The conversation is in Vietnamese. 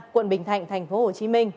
quận bình thạnh tp hcm